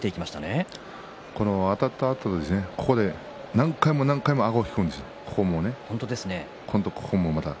あたったあと何回も何回もあごを引くんですね。